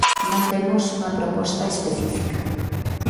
Non temos unha proposta específica.